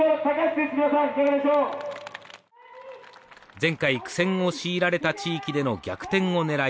前回苦戦を強いられた地域での逆転を狙い